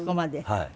はい。